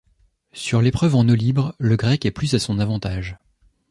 Sur l'épreuve en eau libre, le Grec est plus à son avantage.